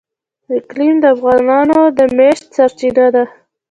اقلیم د افغانانو د معیشت سرچینه ده.